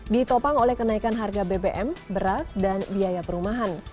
ditopang oleh kenaikan harga bbm beras dan biaya perumahan